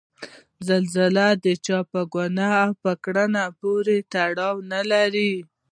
زلزله د چا په ګناه او کړنه پورې تړاو نلري.